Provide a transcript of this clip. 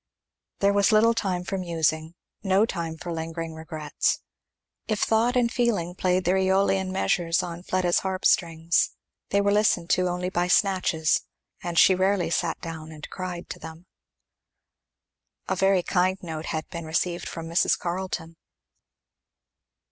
There was little time for musing, no time for lingering regrets. If thought and feeling played their Eolian measures on Fleda's harpstrings, they were listened to only by snatches, and she rarely sat down and cried to them. A very kind note had been received from Mrs. Carleton.